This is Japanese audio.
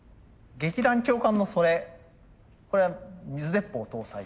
劇団教官のそれこれは水鉄砲搭載？